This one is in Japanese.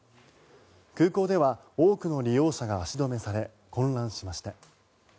空港では多くの利用者が足止めされ混乱しました。